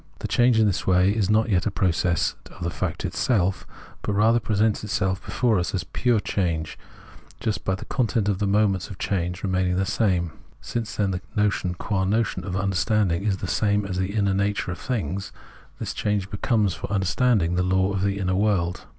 The change is in this way not yet a process of the fact itself, but rather presents itself before us as pure change, just by the content of the moments of change remaining the same. Since, however, the notion qua notion of understanding is the same as the inner nature of things, this change becomes for understanding the law of the inner world.